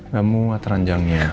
gak muat ranjangnya